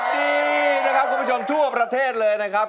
ดีนะครับคุณผู้ชมทั่วประเทศเลยนะครับ